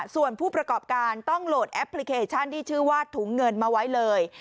ส่วนผู้ประกอบการต้องโหลดแอปพลิเคชันที่ชื่อว่าถุงเงินมาไว้เลย